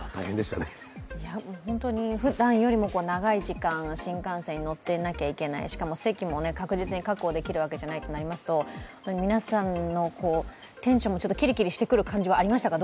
ふだんよりも長い時間、新幹線に乗っていなきゃいけない、しかも席も確実に確保できるわけじゃないとなりますと皆さんのテンションもキリキリしてくる感じはありましたか？